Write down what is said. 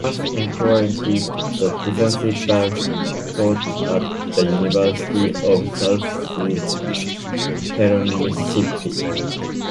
Future applications for events of similar nature will be closely scrutinised.